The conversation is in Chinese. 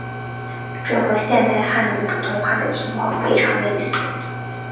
这和现代汉语普通话的情况非常类似。